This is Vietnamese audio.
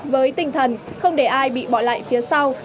với tinh thần không để ai bị bỏ lại phía sau